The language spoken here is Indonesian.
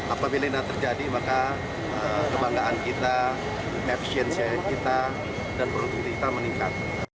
apabila ini terjadi maka kebanggaan kita appsensi kita dan produktivitas meningkat